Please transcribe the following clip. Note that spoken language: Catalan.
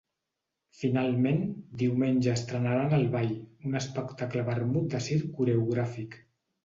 Finalment, diumenge estrenaran El Ball, un espectacle-vermut de circ coreogràfic.